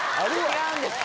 違うんです。